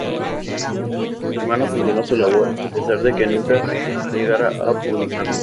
Su hermano continuó su labor, a pesar de que nunca llegara a publicarla.